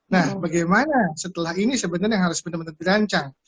nah bagaimana setelah ini sebenarnya yang harus benar benar dirancang